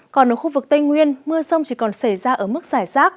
còn ở khu vực tây nguyên mưa sông chỉ còn xảy ra ở mức giải rác